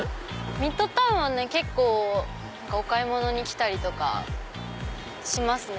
ミッドタウンはお買い物に来たりとかしますね。